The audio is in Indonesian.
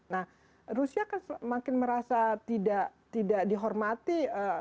nah rusia kan semakin merasa tidak dihormati